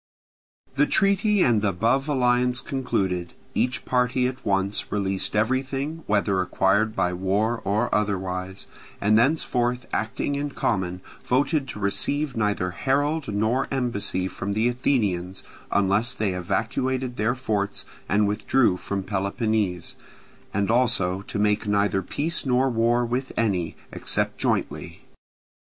The treaty and above alliance concluded, each party at once released everything whether acquired by war or otherwise, and thenceforth acting in common voted to receive neither herald nor embassy from the Athenians unless they evacuated their forts and withdrew from Peloponnese, and also to make neither peace nor war with any, except jointly.